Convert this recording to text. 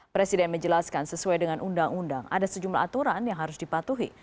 presiden menjelaskan sesuai dengan undang undang ada sejumlah aturan yang harus dipatuhi